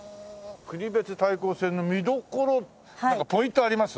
国別対抗戦の見どころポイントあります？